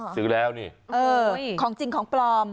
ซื้อแล้วนี่ของจริงของปลอม